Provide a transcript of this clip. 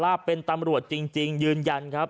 และยืนยันเหมือนกันว่าจะดำเนินคดีอย่างถึงที่สุดนะครับ